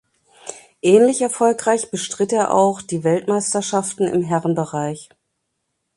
Ähnlich erfolgreich bestritt er auch die Weltmeisterschaften im Herrenbereich.